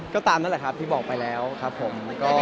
ก็ตามนั่นแหละครับที่บอกไปแล้วครับผม